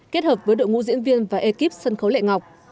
kết hợp với đội ngũ diễn viên và ekip sân khấu lệ ngọc